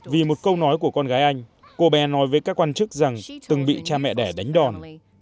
vì một câu nói của con gái anh cô bé nói với các quan chức rằng từng bị cha mẹ đẻ đánh đòn